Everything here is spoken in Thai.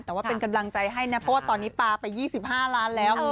แต่ว่าเป็นกำลังใจให้นะเพราะว่าตอนนี้ปลาไป๒๕ล้านแล้ว